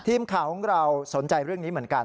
ทีมข่าวของเราสนใจเรื่องนี้เหมือนกัน